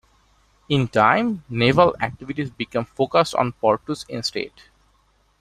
In time, naval activities became focused on Portus instead.